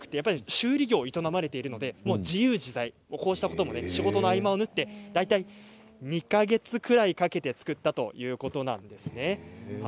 修理業を営まれてるので自由自在こうしたことも仕事の合間をぬって大体２か月ぐらいかけて作ったということなんですね。